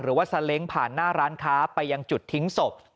ซาเล้งผ่านหน้าร้านค้าไปยังจุดทิ้งศพ